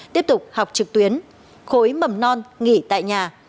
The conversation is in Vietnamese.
tiếp tục học trực tuyến khối mầm non nghỉ tại nhà